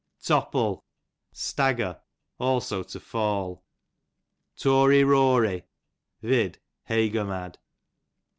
Topple, stagger ; also to fall. Tory rory, vid. hey go mad.